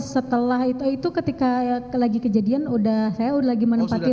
setelah itu ketika lagi kejadian saya sudah lagi menempati rumah